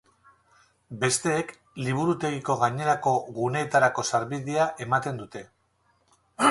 Besteek Liburutegiko gainerako guneetarako sarbidea ematen dute.